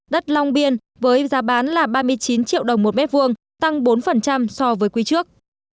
đất long biên với giá bán là ba mươi chín triệu đồng một mét vuông tăng bốn so với quý trước